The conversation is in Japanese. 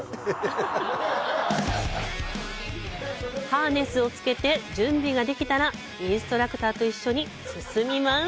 ハーネスをつけて準備ができたらインストラクターと一緒に進みます。